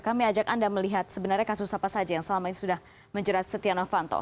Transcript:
kami ajak anda melihat sebenarnya kasus apa saja yang selama ini sudah menjerat setia novanto